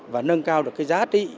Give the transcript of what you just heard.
và nâng cao được giá trị